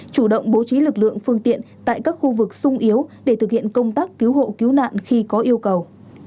chủ động bố trí lực lượng phương tiện tại các khu vực sung yếu để thực hiện công tác cứu hộ cứu nạn khi có yêu cầu